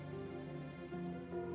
aku mau makan